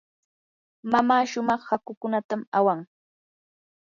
mamaa shumaq hakukunatam awan.